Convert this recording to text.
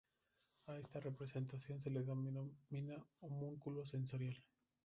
A esta representación se le denomina homúnculo sensorial.